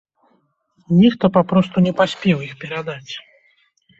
Нехта папросту не паспеў іх перадаць.